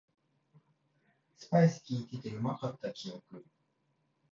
スパイスきいててうまかった記憶